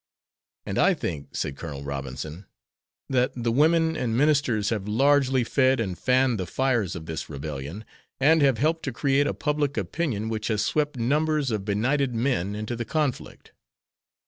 "And I think," said Colonel Robinson, "that the women and ministers have largely fed and fanned the fires of this Rebellion, and have helped to create a public opinion which has swept numbers of benighted men into the conflict.